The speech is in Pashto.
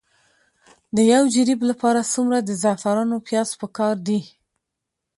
د یو جریب لپاره څومره د زعفرانو پیاز پکار دي؟